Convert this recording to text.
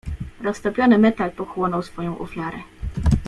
"Roztopiony metal pochłonął swoją ofiarę."